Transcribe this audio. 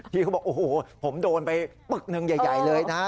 เขาบอกโอ้โหผมโดนไปปึ๊กหนึ่งใหญ่เลยนะ